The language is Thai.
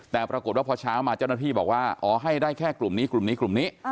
แต่ปรากฏว่าพอเช้ามาเจ้าหน้าที่บอกว่าอ๋อให้ได้แค่กลุ่มนี้กลุ่มนี้กลุ่มนี้